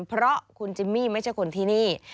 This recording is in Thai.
เพราะคุณจิมมี่ไม่ใช่คนที่นี่